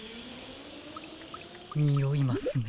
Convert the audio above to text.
においますね。